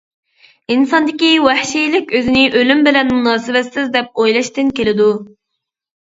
ئىنساندىكى ۋەھشىيلىك ئۆزىنى ئۆلۈم بىلەن مۇناسىۋەتسىز دەپ ئويلاشتىن كېلىدۇ.